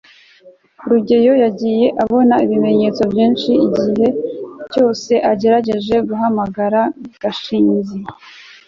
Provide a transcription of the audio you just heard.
rugeyo yagiye abona ibimenyetso byinshi igihe cyose agerageje guhamagara gashinzi